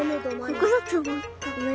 ここだとおもった。